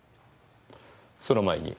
その前に。